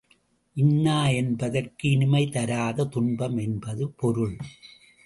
இன்னா என்பதற்கு, இனிமை தராத துன்பம் என்பது பொருள்.